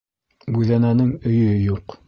Бүҙәнәнең өйө юҡ